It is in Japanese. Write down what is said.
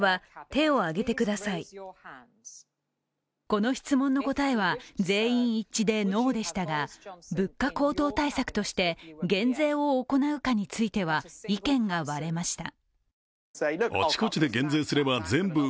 この質問の答えは全員一致でノーでしたが、物価高騰対策として、減税を行うかについては意見が割れました。